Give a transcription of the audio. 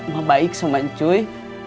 mak baik sama ncuy